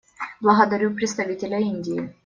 Благодарю представителя Индии.